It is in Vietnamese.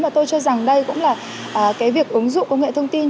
và tôi cho rằng đây cũng là cái việc ứng dụng công nghệ thông tin